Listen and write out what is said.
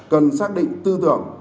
cần xác định tư tưởng